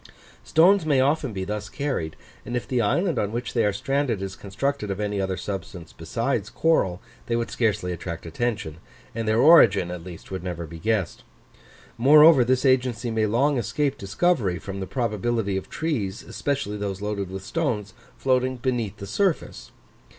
Stones may often be thus carried; and if the island on which they are stranded is constructed of any other substance besides coral, they would scarcely attract attention, and their origin at least would never be guessed. Moreover, this agency may long escape discovery from the probability of trees, especially those loaded with stones, floating beneath the surface.